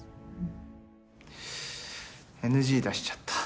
ＮＧ出しちゃった。